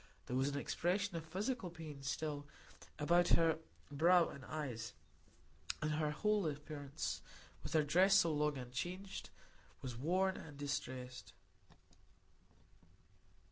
There was an expression of physical pain still about her brow and eyes, and her whole appearance, with her dress so long unchanged, was worn and distressed.